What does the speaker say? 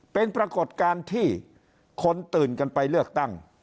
เป็นปรากฏการณ์ที่คนตื่นกันไปเลือกตั้ง